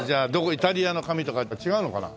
イタリアの紙とかやっぱ違うのかな。